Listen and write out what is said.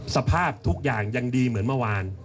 สภาพทุกอย่างยังดีเหมือนเมื่อวาน